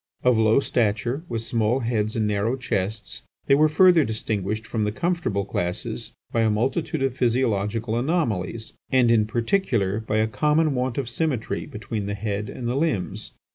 Of low stature, with small heads and narrow chests, they were further distinguished from the comfortable classes by a multitude of physiological anomalies, and, in particular, by a common want of symmetry between the head and the limbs.